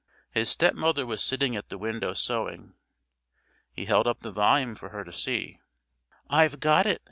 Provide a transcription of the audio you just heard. His stepmother was sitting at the window sewing. He held up the volume for her to see. "I've got it!"